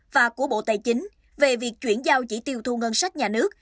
và của bộ tài chính về việc chuyển giao chỉ tiêu thu ngân sách nhà nước